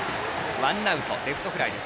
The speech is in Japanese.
ワンアウト、レフトフライです。